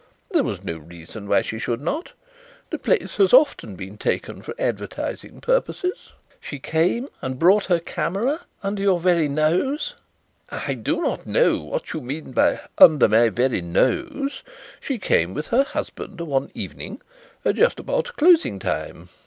There was no reason why she should not; the place has often been taken for advertising purposes." "She came, and brought her camera under your very nose!" "I do not know what you mean by 'under my very nose.' She came with her husband one evening just about closing time.